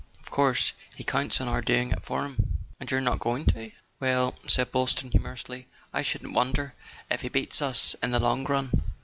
Of course he counts on our doing it for him." " And you're not going to ?" "Well," said Boylston humorously, "I shouldn't wonder if he beat us in the long run.